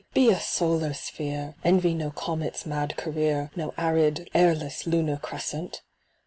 be a solar sphere ! Envy no comet's mad career, No arid, airless lunar crescent